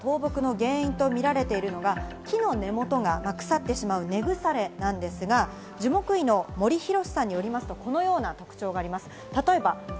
今回の倒木の原因とみられているのが木の根元が腐ってしまう根腐れなんですが、樹木医の森広志さんによりますと、このような特徴があります。